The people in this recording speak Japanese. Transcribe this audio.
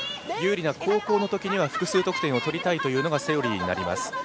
有利な後攻のときには複数得点を取りたいというのがセオリーになります。